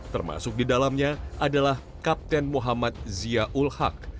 termasuk di dalamnya adalah kapten muhammad zia ul haq